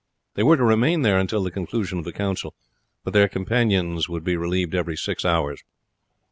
They were to remain there until the conclusion of the council, but their companions would be relieved every six hours.